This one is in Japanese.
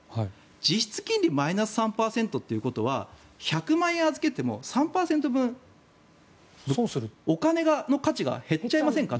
実質金利マイナス３％ってことは１００万円預けても３％分お金の価値が減っちゃいませんか。